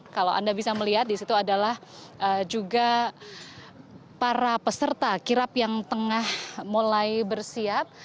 kalau anda bisa melihat di situ adalah juga para peserta kirap yang tengah mulai bersiap